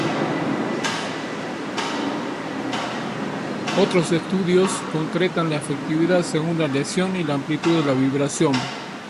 Otros estudios concretan la efectividad según la lesión y la amplitud de la vibración.